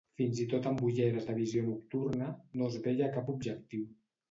Fins i tot amb ulleres de visió nocturna, no es veia cap objectiu.